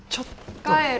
帰る。